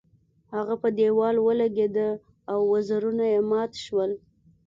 هغه په دیوال ولګیده او وزرونه یې مات شول.